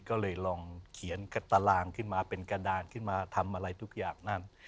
ก็เลยลองเขียนตารางขึ้นมาเป็นกระดานขึ้นมาทำอะไรทุกอย่างนั่น